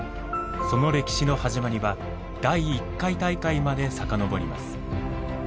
その歴史の始まりは第１回大会まで遡ります。